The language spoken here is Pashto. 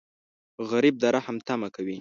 غریب د رحم تمه کوي